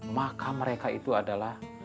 maka mereka itu adalah